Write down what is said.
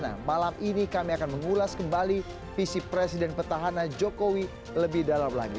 nah malam ini kami akan mengulas kembali visi presiden petahana jokowi lebih dalam lagi